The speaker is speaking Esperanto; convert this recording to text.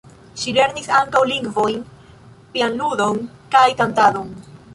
Ŝi lernis ankaŭ lingvojn, pianludon kaj kantadon.